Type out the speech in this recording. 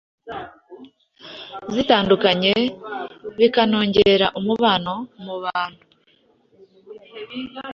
zitandukanye bikanongera umubano mu bantu”.